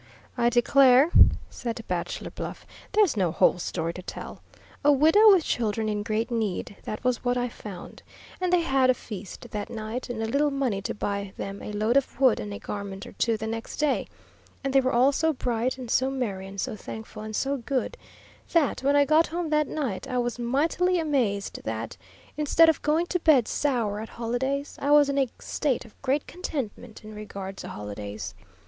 "I declare," said Bachelor Bluff, "there's no whole story to tell. A widow with children in great need, that was what I found; and they had a feast that night, and a little money to buy them a load of wood and a garment or two the next day; and they were all so bright, and so merry, and so thankful, and so good, that, when I got home that night, I was mightily amazed that, instead of going to bed sour at holidays, I was in a state of great contentment in regard to holidays.